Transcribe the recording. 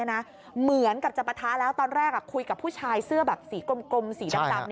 เหมือนกับจะปะท้าแล้วตอนแรกคุยกับผู้ชายเสื้อแบบสีกลมสีดำ